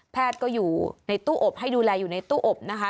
แพทย์ก็อยู่ในตู้อบให้ดูแลอยู่ในตู้อบนะคะ